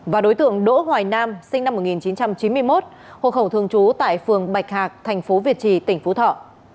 và đối tượng đỗ hoài nam sinh năm một nghìn chín trăm chín mươi một hộ khẩu thường trú tại phường bạch hạc thành phố việt trì tỉnh phú thọ